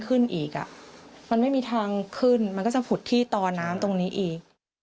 ขึ้นอีกอ่ะมันไม่มีทางขึ้นมันก็จะผุดที่ต่อน้ำตรงนี้อีก